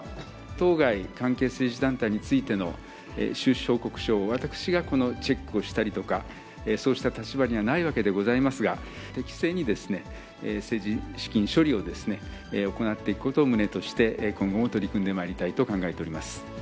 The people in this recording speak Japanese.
当該関係政治団体についての収支報告書を私がこのチェックをしたりとか、そうした立場にはないわけでございますが、適正に政治資金処理を行っていくことを旨として、今後も取り組んでまいりたいと考えております。